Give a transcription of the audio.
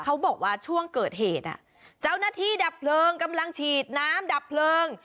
เขาบอกว่าช่วงเกิดเหตุเจ้าหน้าที่ดับเพลิงกำลังฉีดน้ำดับเพลิง